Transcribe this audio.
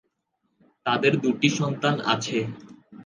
তাদের দুটি সন্তান আছে।